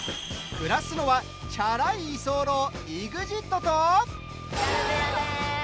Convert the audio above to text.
暮らすのはチャラい居候、ＥＸＩＴと。